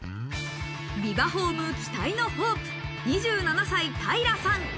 ビバホーム期待のホープ、２７歳、平さん。